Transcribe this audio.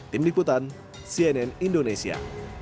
tim liputan cnn indonesia